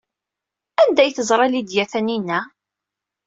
Anda ay teẓra Lidya Taninna?